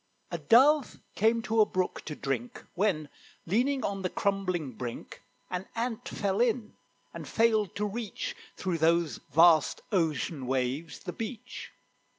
A Dove came to a brook to drink, When, leaning on the crumbling brink, An Ant fell in, and failed to reach, Through those vast ocean waves, the beach.